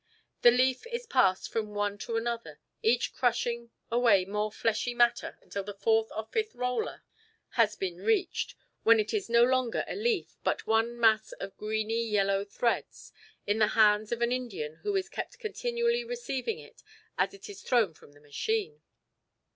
The leaf is passed from one to another, each crushing away more fleshy matter until the fourth or fifth roller has been reached, when it is no longer a leaf, but one mass of greeny yellow threads in the hands of an Indian who is kept continually receiving it as it is thrown from the machine.